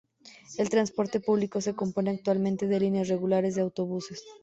El transporte público se compone actualmente de líneas regulares de autobuses.